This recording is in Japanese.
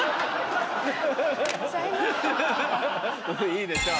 いいでしょう。